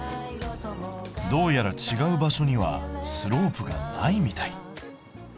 どうやら違う場所にはスロープがないみたい。